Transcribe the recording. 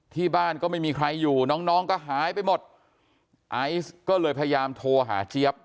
บ้านก็ไม่มีใครอยู่น้องน้องก็หายไปหมดไอซ์ก็เลยพยายามโทรหาเจี๊ยบ